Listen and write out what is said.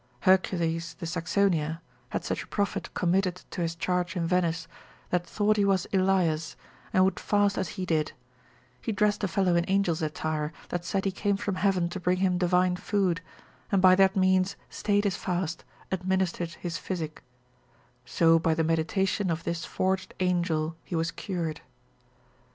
Hercules de Saxonia, had such a prophet committed to his charge in Venice, that thought he was Elias, and would fast as he did; he dressed a fellow in angel's attire, that said he came from heaven to bring him divine food, and by that means stayed his fast, administered his physic; so by the meditation of this forged angel he was cured.